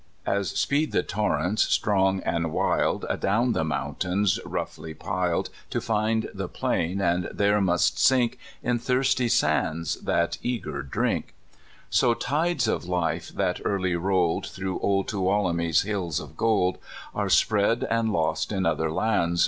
As speed the torrents, strong and wild, Adown the mountains roughly piled To find the plain, and there must sink In thirsty sands that eager drink So tides of life that early rolled Through old Tuolumne's hills of gold, Are spread and lost in other lands.